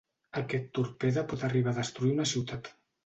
Aquest torpede pot arribar a destruir una ciutat.